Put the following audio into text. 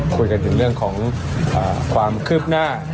คุยกันถึงเรื่องของความคืบหน้า